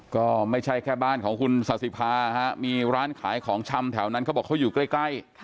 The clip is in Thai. ก็ไม่ใช่แค่บ้านของคุณศาสิภาฮะมีร้านขายของชำแถวนั้นเขาบอกเขาอยู่ใกล้